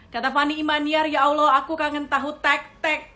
kata fani imaniar ya allah aku kangen tahu tek tek